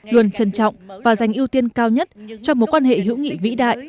luôn trân trọng và dành ưu tiên cao nhất cho mối quan hệ hữu nghị vĩ đại